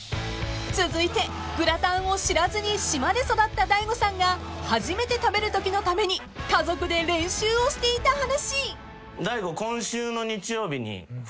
［続いてグラタンを知らずに島で育った大悟さんが初めて食べるときのために家族で練習をしていた話］